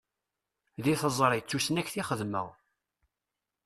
Deg teẓṛi, d tusnakt i xeddmeɣ.